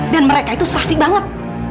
dan mereka itu serasi banget